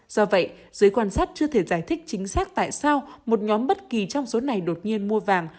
do vậy giới quan sát chưa thể giải thích chính xác tại sao một nhóm bất kỳ trong số này đột nhiên mua vàng